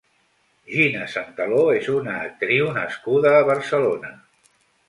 Gina Santaló és una actriu nascuda a Barcelona.